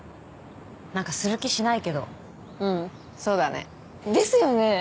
なんかする気しないけどうんそうだねですよね